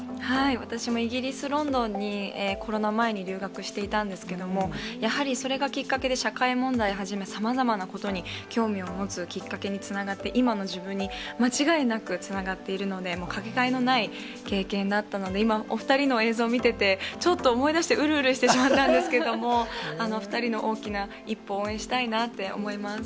私もイギリス・ロンドンにコロナ前に留学していたんですけれども、やはりそれがきっかけで、社会問題はじめ、さまざまなことに興味を持つきっかけにつながって、今の自分に間違いなくつながっているので、掛けがえのない経験だったので、今、お２人の映像見てて、ちょっと思い出して、うるうるしてしまったんですけども、お２人の大きな一歩を応援したいなって思います。